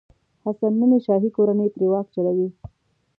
حسن نومي شاهي کورنۍ پرې واک چلوي.